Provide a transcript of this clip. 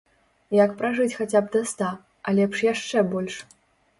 Як пражыць хаця б да ста, а лепш яшчэ больш?